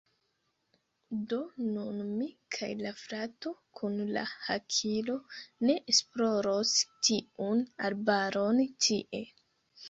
Do nun mi kaj la frato kun la hakilo, ni esploros tiun arbaron tie.